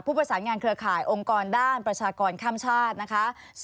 ประสานงานเครือข่ายองค์กรด้านประชากรข้ามชาตินะคะ